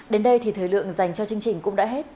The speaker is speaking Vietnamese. đến đây thì thời lượng dành cho chương trình cũng đã hết